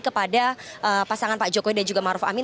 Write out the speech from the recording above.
kepada pasangan pak jokowi dan juga maruf amin